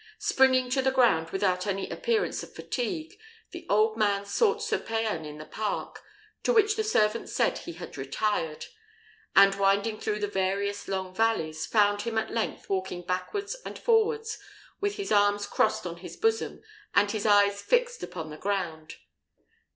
Springing to the ground without any appearance of fatigue, the old man sought Sir Payan in the park, to which the servants said he had retired; and, winding through the various long alleys, found him at length walking backwards and forwards, with his arms crossed on his bosom and his eyes fixed upon the ground.